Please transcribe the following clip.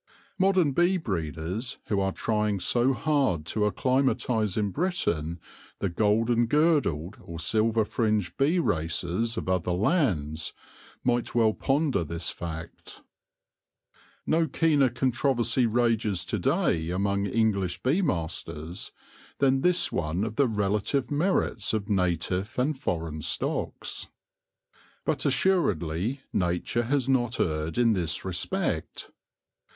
Modern bee breeders who are trying so hard to acclimatise in Britain the golden girdled or silver fringed bee races of other lands, might well ponder this fact. No keener controversy rages to day among English bee masters than this one of the relative merits of 54 THE LORE OF THE HONEY BEE native and foreign stocks. But assuredly Nature has not erred in this respect.